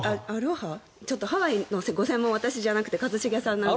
ちょっとハワイのご専門は私じゃなくて一茂さんなので。